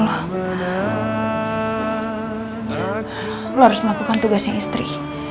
aku harus melakukan tugasnya istri